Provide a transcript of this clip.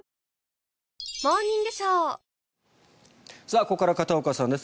ここからは片岡さんです。